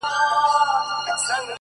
o سیاه پوسي ده ـ ترې کډي اخلو ـ